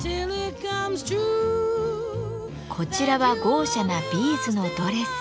こちらは豪奢なビーズのドレス。